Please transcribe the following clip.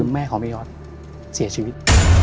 มี่ออสเสียชีวิต